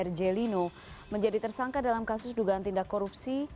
rj lino menjadi tersangka dalam kasus dugaan tindak korupsi